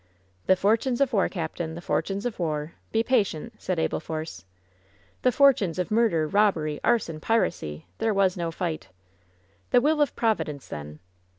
"The fortunes of war, captain — the fortunes of warl Be patient !'' said Abel Force. "The fortunes of murder, robbery, arson, piracy 1 There was no fight!" "The will of Providence, then."